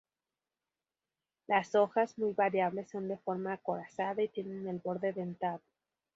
Las hojas, muy variables, son de forma acorazada y tienen el borde dentado.